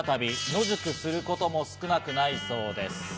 野宿することも少なくないそうです。